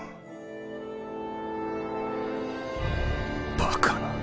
バカな